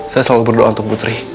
saya selalu berdoa untuk putri